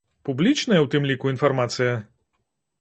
Публічная ў тым ліку інфармацыя?